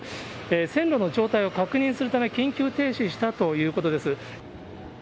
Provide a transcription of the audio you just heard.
線路の状態を確認するため、緊急停止したということです。